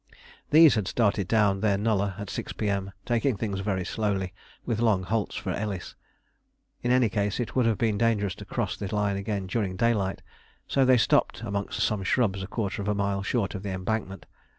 These had started down their nullah at 6 P.M., taking things very slowly with long halts for Ellis. In any case, it would have been dangerous to cross the line again during daylight, so they stopped amongst some shrubs a quarter of a mile short of the embankment.